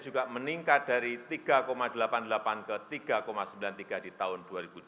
juga meningkat dari tiga delapan puluh delapan ke tiga sembilan puluh tiga di tahun dua ribu dua puluh